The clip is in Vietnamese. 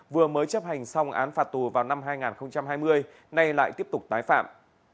vừa mới chấp hành xong án phạt tù vào năm hai nghìn hai mươi nay lại tiếp tục tái phạm